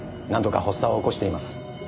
何度か発作を起こしています。